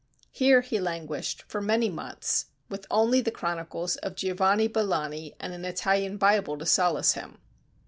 Here he languished for many months, with only the chronicles of Giovanni Billani and an Italian Bible to solace him.